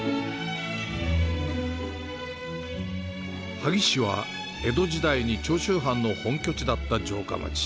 萩市は、江戸時代に長州藩の本拠地だった城下町。